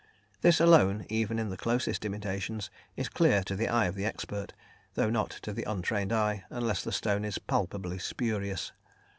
This alone, even in the closest imitations, is clear to the eye of the expert, though not to the untrained eye, unless the stone is palpably spurious.